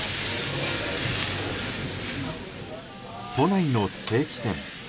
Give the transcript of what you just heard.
都内のステーキ店。